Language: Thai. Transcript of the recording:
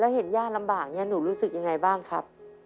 แล้วเห็นย่าลำบากนี่หนูรู้สึกอย่างไรบ้างครับ